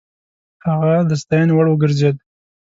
هغه د ستاينې وړ وګرځېد.